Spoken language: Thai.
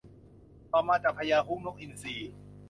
ต่อมาจับพญาฮุ้ง นกอินทรีย์